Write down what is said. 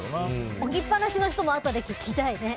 起きっぱなしの人もあとで聞きたいね。